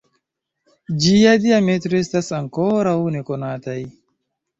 Ĝia diametro estas ankoraŭ nekonataj.